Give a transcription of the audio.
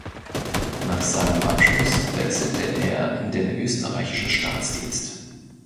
Nach seinem Abschluss wechselte er in den österreichischen Staatsdienst.